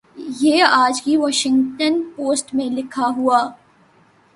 یہ آج کی واشنگٹن پوسٹ میں لکھا ہوا ۔